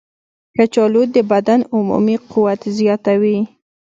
کچالو د بدن عمومي قوت زیاتوي.